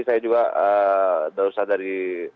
saya juga dausah dari